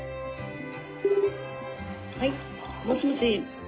☎☎はいもしもし。